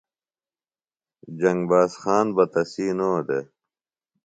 جنگ باز خان بہ تسی نو دےۡ